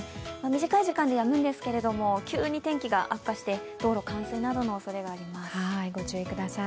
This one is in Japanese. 短い時間でやむんですけれども急に天気が悪化して道路冠水などのおそれがあります。